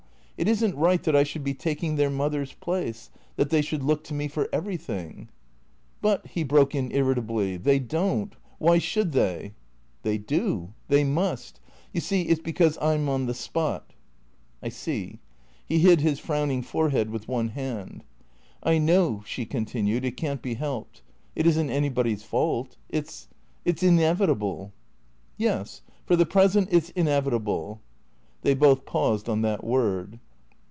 It isn't right that I should be taking their mother's place, that they should look to me for every thing." " But," he broke in irritably, " they don't. Why should they ?"" They do. They must. You see, it 's because I 'm on the spot." " I see." He hid his frowning forehead with one hand. " I know," she continued, " it can't be helped. It is n't any body's fault. It 's — it 's inevitable." " Yes. For the present it 's — inevitable." They both paused on that word.